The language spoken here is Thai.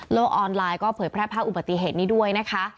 ออนไลน์ก็เผยแพร่ภาพอุบัติเหตุนี้ด้วยนะคะ